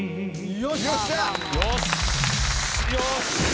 よし！